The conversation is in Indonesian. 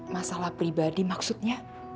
masalah pribadi maksudnya